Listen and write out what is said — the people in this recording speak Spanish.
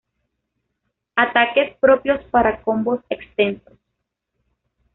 Ataques propios para combos extensos.